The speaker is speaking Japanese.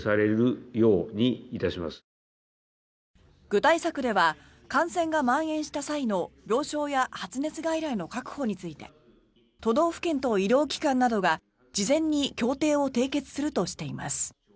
具体策では感染がまん延した際の病床や発熱外来の確保について都道府県と医療機関などが事前に協定を締結するとしています。